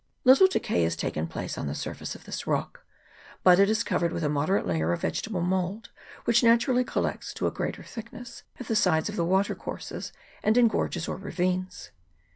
Little decay has taken place on the surface of this rock. But it is covered with a moderate layer of vegetable mould, which naturally collects to a greater thickness at the sides of the watercourses and in gorges or ravines.